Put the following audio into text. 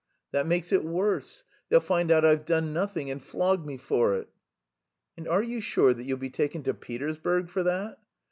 "That makes it worse. They'll find out I've done nothing and flog me for it." "And you are sure that you'll be taken to Petersburg for that."